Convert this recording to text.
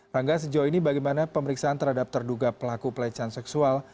rangga sejauh ini bagaimana pemeriksaan terhadap terduga pelaku pelecehan seksual